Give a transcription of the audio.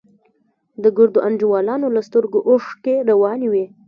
د ګردو انډيوالانو له سترگو اوښکې روانې وې.